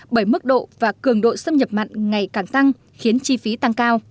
bởi mức độ và cường độ xâm nhập mặn ngày càng tăng khiến chi phí tăng cao